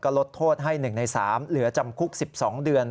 ลดโทษให้๑ใน๓เหลือจำคุก๑๒เดือน